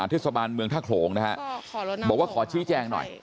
เทศบาลเมืองท่าโขลงนะฮะบอกว่าขอชี้แจงหน่อย